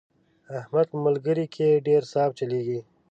احمد په ملګرۍ کې ډېر صاف چلېږي.